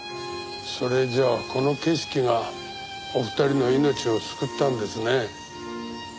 それじゃあこの景色がお二人の命を救ったんですね。